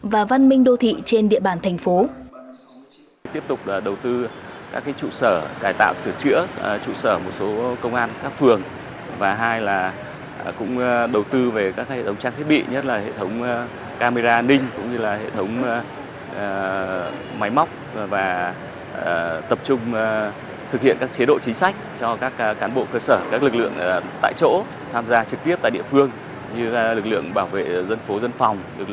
và văn minh đô thị trên địa bàn thành phố